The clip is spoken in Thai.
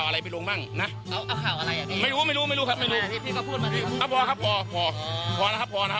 แล้วในเรื่องกัน